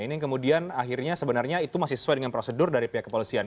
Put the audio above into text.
ini yang kemudian akhirnya sebenarnya itu masih sesuai dengan prosedur dari pihak kepolisian